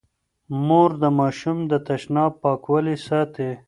مور د ماشوم د تشناب پاکوالی ساتي.